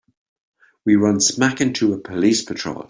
We run smack into a police patrol.